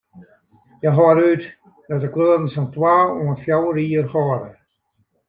Hja hâlde út dat de kleuren sa'n twa oant fjouwer jier hâlde.